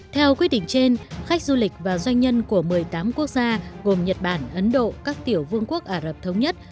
theo quyết định trên khách du lịch và doanh nhân của một mươi tám quốc gia gồm nhật bản ấn độ các tiểu vương quốc ả rập thống nhất